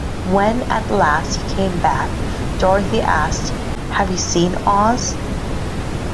When, at last, he came back, Dorothy asked, "Have you seen Oz?"